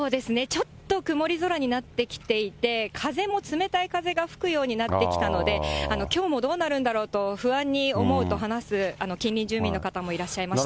ちょっと曇り空になってきていて、風も冷たい風が吹くようになってきたので、きょうもどうなるんだろうと、不安に思うと話す近隣住民の方もいらっしゃいました。